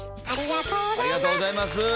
ありがとうございます。